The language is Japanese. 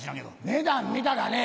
値段見たらね